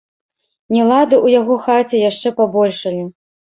Нелады ў яго хаце яшчэ пабольшалі.